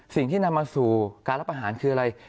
สิ่งที่นำมาสู่การรับอาหารคืออะไร